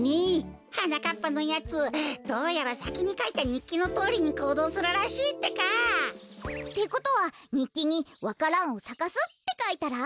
はなかっぱのやつどうやらさきにかいたにっきのとおりにこうどうするらしいってか。ってことはにっきに「わか蘭をさかす」ってかいたら？